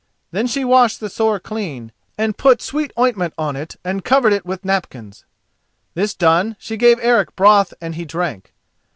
Then she washed the sore clean, and put sweet ointment on it and covered it with napkins. This done, she gave Eric broth and he drank.